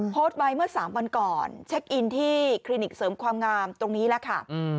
โพสต์ไว้เมื่อ๓วันก่อนเช็คอินที่คลินิกเสริมความงามตรงนี้แหละค่ะ